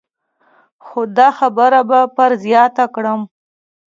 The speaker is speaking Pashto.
خو دا خبره به پر زیاته کړم.